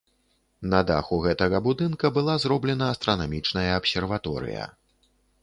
На даху гэтага будынка была зроблена астранамічная абсерваторыя.